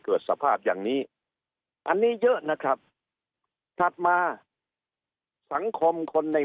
เกิดสภาพอย่างนี้อันนี้เยอะนะครับถัดมาสังคมคนใน